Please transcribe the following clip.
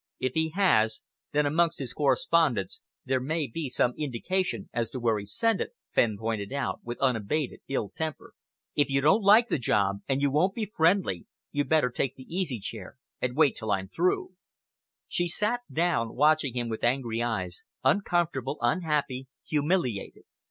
"If he has, then amongst his correspondence there may be some indication as to where he sent it," Fenn pointed out, with unabated ill temper. "If you don't like the job, and you won't be friendly, you'd better take the easy chair and wait till I'm through." She sat down, watching him with angry eyes, uncomfortable, unhappy, humiliated.